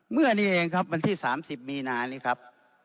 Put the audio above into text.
เมื่อนี้เองครับวันที่๓๐มีนานี้ครับ